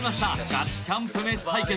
ガチキャンプ飯対決